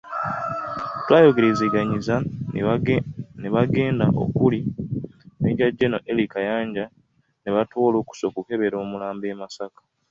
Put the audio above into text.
Twayogerezeganyizza n'abenganda okuli Major General Elly Kayanja ne batuwa olukusa okukebera omulambo e Masaka.